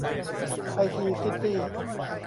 ไอที ซิตี้